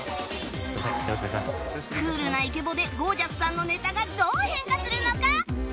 クールなイケボでゴー☆ジャスさんのネタがどう変化するのか？